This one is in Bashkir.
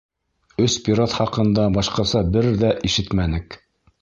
Өс пират хаҡында башҡаса бер ҙә ишетмәнек.